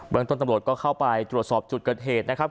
เบิ้งตรงสมรสก็เข้าไปตรวจสอบจุดเกิดเหตุนะครับ